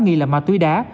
nghi là ma túy đá